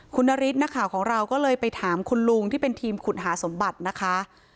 คุณนฤทธิ์นักข่าวของเราก็เลยไปถามคุณลุงที่เป็นทีมขุดหาสมบัตินะคะ